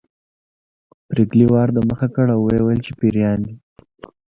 پريګلې وار د مخه کړ او وویل چې پيريان دي